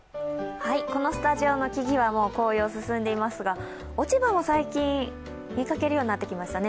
このスタジオの木々はもう紅葉が進んでいますが落ち葉も最近、見かけるようになってきましたね。